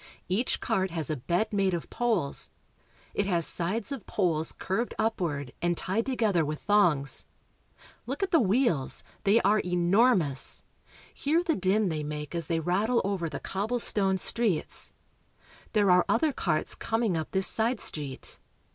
Each cart has a bed made of poles ; it has sides of poles curved upward and tied to gether with thongs. Look at the wheels. They are enor mous. Hear the din they make as they rattle over the cobblestone streets. There are other carts coming up this side street.